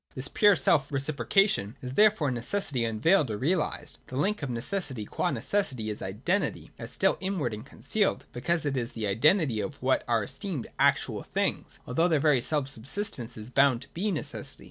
157.] This pure self reciprocation is therefore Neces sity unveiled or realised. The link of necessity qua necessity is identity, as still inward and concealed, because it is the identity of what are esteemed actual things, although their very self subsistence is bound to be necessity.